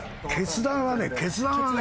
決断はね